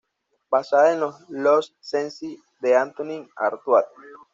Basada en" Los Cenci" de Antonin Artaud.